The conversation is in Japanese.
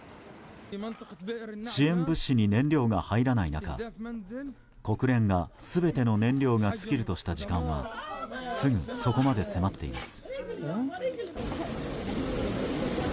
支援物資に燃料が入らない中国連が全ての燃料が尽きるとした時間はすぐそこまで迫っています。